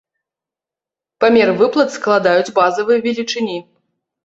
Памер выплат складаюць базавыя велічыні.